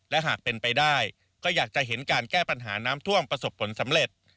และหากเป็นไปได้ก็อยากจะเห็นการแก้ปัญหาน้ำท่วมประสบผลสำเร็จ